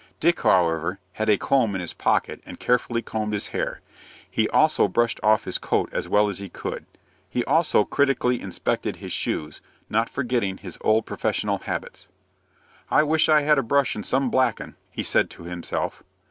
Dick, however, had a comb in his pocket, and carefully combed his hair. He also brushed off his coat as well as he could; he also critically inspected his shoes, not forgetting his old professional habits. "I wish I had a brush and some blackin'," he said to himself.